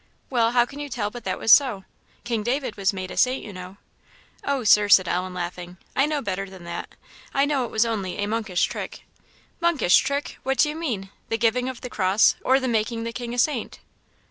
"Well, how can you tell but that was so? King David was made a saint, you know." "Oh, Sir," said Ellen, laughing, "I know better than that; I know it was only a monkish trick." "Monkish trick! which do you mean? the giving of the cross, or the making the king a saint?"